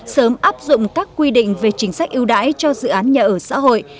sớm áp dụng các quy định về chính sách ưu đãi cho dự án nhà ở xã hội